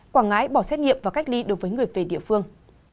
quảng ngãi bỏ xét nghiệm và cách ly đối với người về địa phương